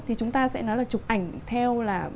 thì chúng ta sẽ nói là chụp ảnh theo là